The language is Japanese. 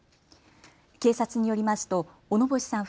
警察によりますと小野星さん